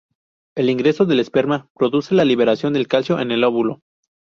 El ingreso del esperma produce la liberación de Calcio en el óvulo.